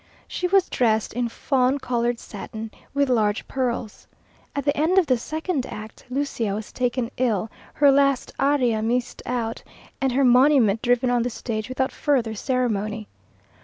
She was dressed in fawn coloured satin, with large pearls. At the end of the second act, Lucia was taken ill, her last aria missed out, and her monument driven on the stage without further ceremony.